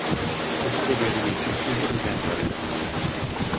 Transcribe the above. Ce sont des dérivés sulfurés des azoles.